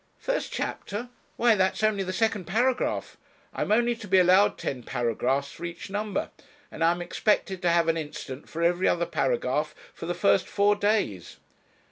'First chapter! why that's only the second paragraph. I'm only to be allowed ten paragraphs for each number, and I am expected to have an incident for every other paragraph for the first four days.'